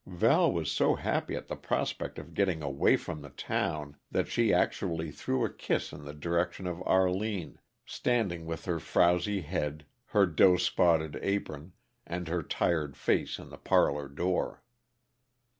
Val was so happy at the prospect of getting away from the town that she actually threw a kiss in the direction of Arline, standing with her frowsy head, her dough spotted apron, and her tired face in the parlor door.